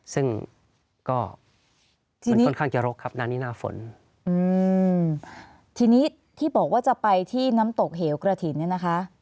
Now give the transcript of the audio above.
ซึ่งก็มันค่อนข้างจะรกครับนานนี้หน้าฝนอืมทีนี้ที่บอกว่าจะไปที่น้ำตกเหวกระถิ่นเนี่ยนะคะ